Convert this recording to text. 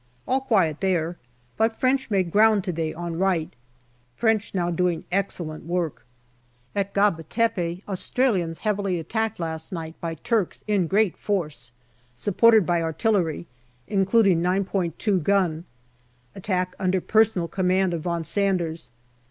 All quiet there, but French made ground to day on right. French now doing excellent work. At Gaba Tepe, Australians heavily attacked last night by Turks in great force, supported by artillery, including 9 2 gun. Attack under personal command of Von Sanders.